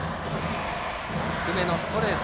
低めのストレート。